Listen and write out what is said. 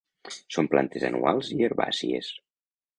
Són plantes anuals i herbàcies.